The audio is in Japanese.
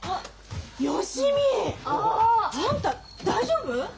芳美！あんた大丈夫？